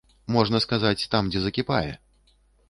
Можна сказаць, там дзе закіпае!